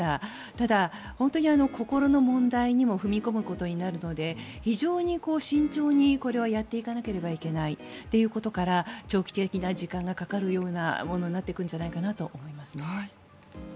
ただ、本当に心の問題にも踏み込むことになるので非常に慎重にこれはやっていかなければいけないということから長期的な時間がかかるようなものになっていくんじゃないかなと思います。